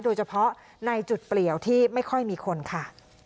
โดยเฉพาะในจุดเปลี่ยวที่ไม่ค่อยมีคนค่ะ